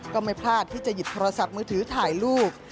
ก็ไม่พลาดที่จะหยิบโทรศัพท์มือถือถ่ายรูป